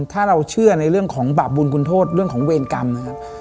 ถ้าเราเชื่อในเรื่องของบาปบุญคุณโทษเรื่องของเวรกรรมนะครับ